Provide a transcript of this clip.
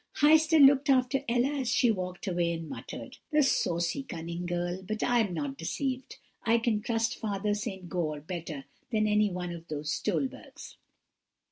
"Heister looked after Ella as she walked away, and muttered: "'The saucy cunning girl! but I am not deceived; I can trust Father St. Goar better than any one of those Stolbergs.'